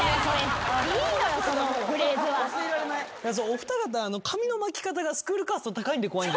お二方髪の巻き方がスクールカースト高いんで怖い。